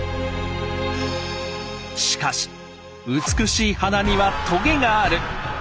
しかし「美しい花にはとげがある」。